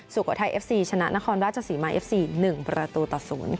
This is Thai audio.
สุโขทัยเอฟซีชนะนครราชศรีมาเอฟซี๑ประตูต่อ๐